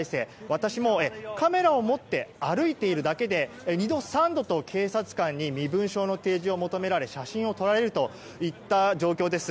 私もカメラを持って歩いているだけで２度、３度と警察官に身分証の提示を求められ写真を撮られるといった状況です。